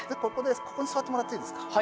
ここに座ってもらっていいですか？